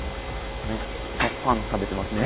めっちゃパン食べてますね。